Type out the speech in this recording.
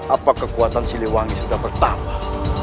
apa kekuatan siliwangi sudah bertambah